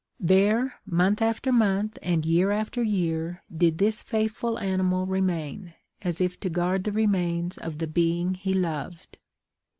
There, month after month, and year after year, did this faithful animal remain, as if to guard the remains of the being he loved.